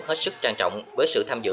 hết sức trang trọng với sự tham dự